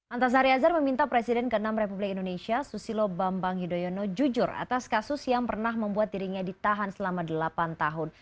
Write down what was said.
antasari azhar meminta presiden ke enam republik indonesia susilo bambang yudhoyono jujur atas kasus yang pernah membuat dirinya ditahan selama delapan tahun